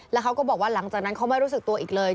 แล้วเขาก็บอกว่าหลังจากนั้นเขาไม่รู้สึกตัวอีกเลย